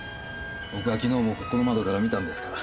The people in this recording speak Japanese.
僕はきのうもここの窓から見たんですから。